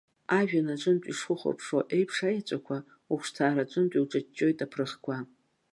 Ажәҩан аҿынтә ишухәаԥшуа еиԥш аеҵәақәа, ухәышҭаараҿынтә иуҿаҷҷоит аԥырӷқәа.